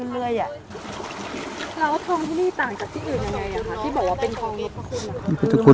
แล้วทองที่นี่ต่างจากที่อื่นยังไงที่บอกว่าเป็นทองมีพระคุณนะคะ